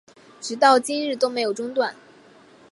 直到今日都没有中断